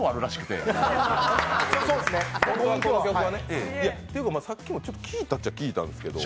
ていうか、さっきも聴いたっちゃ聴いたんですけど。